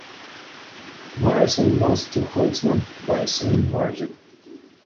Myerson lost to Holtzman by a slim margin.